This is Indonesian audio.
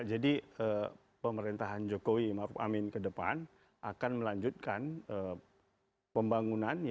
jadi pemerintahan jokowi ke depan akan melanjutkan pembangunan